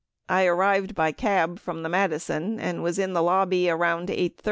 I arrived by cab from the Madison and was in the lobby around 8 :30.